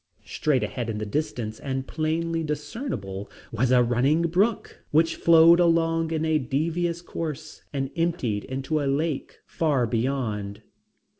Straight ahead in the distance and plainly discernible was a running brook which flowed along in a devious course and emptied into a lake far beyond.